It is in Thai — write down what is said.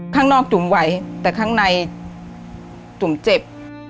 ข้างนอกจุ๋มไว้แต่ข้างในจุ๋มเจ็บ